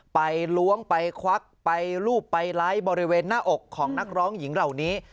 ล้วงไปควักไปรูปไปไลค์บริเวณหน้าอกของนักร้องหญิงเหล่านี้